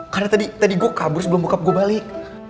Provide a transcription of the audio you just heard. karena tadi gue kabur sebelum bokap gue balik